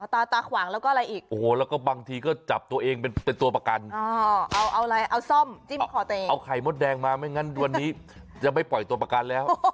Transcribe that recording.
ตาขวางแล้วก็อะไรอีกโอ้โหแล้วก็บางทีก็จับตัวเองเป็นตัวประกัน